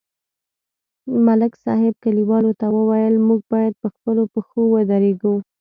ملک صاحب کلیوالو ته وویل: موږ باید په خپلو پښو ودرېږو